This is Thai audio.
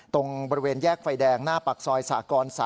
ตรงบริเวณแยกไฟแดงหน้าปากซอยสากร๓